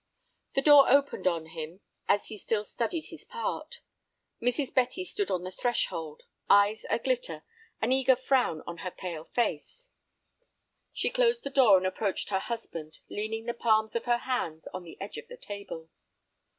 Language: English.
The door opened on him as he still studied his part. Mrs. Betty stood on the threshold, eyes a glitter, an eager frown on her pale face. She closed the door and approached her husband, leaning the palms of her hands on the edge of the table.